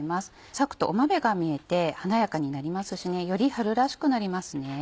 割くとお豆が見えて華やかになりますしより春らしくなりますね。